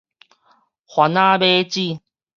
番仔碼子